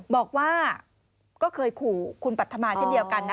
บอกว่าก็เคยขู่คุณปรัฐมาเช่นเดียวกันนะ